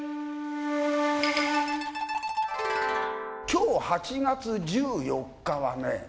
今日８月１４日はね